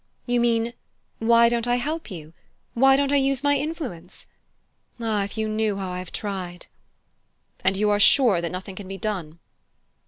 "You mean, why don't I help you? Why don't I use my influence? Ah, if you knew how I have tried!" "And you are sure that nothing can be done?"